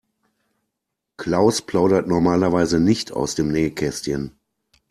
Klaus plaudert normalerweise nicht aus dem Nähkästchen.